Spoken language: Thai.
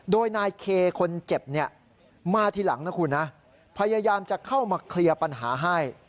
โดยนายเคคนเจ็บมาทีหลังพยายามจะเข้ามาเคลียร์ปัญหาให้